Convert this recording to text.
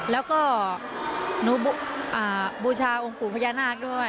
แล้วก็หนูบูชาองค์ปู่พญานาคด้วย